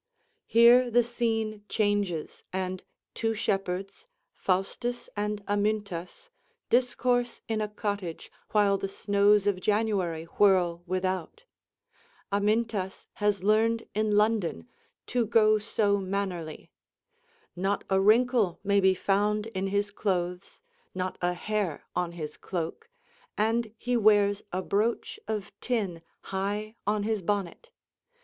Here the scene changes, and two shepherds, Faustus and Amyntas, discourse in a cottage while the snows of January whirl without. Amyntas has learned in London "to go so manerly." Not a wrinkle may be found in his clothes, not a hair on his cloak, and he wears a brooch of tin high on his bonnet.